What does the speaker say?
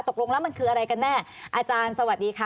ตกลงแล้วมันคืออะไรกันแน่อาจารย์สวัสดีค่ะ